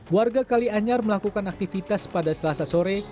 warga kali anyar melakukan aktivitas pada selasa sore